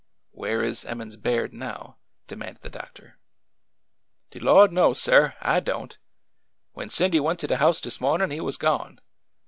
" Where is Emmons Baird now ?" demanded the doctor. '' De Lord knows, sir ! I don't. When Cindy went to de house dis mawnin' he was gone.